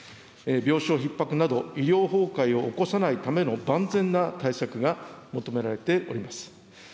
病床ひっ迫など、医療崩壊を起こさないための万全な対策が求められております。